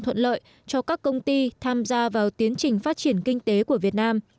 thuận lợi cho các công ty tham gia vào tiến trình phát triển kinh tế của việt nam